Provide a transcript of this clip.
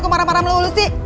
kok marah marah melulu sih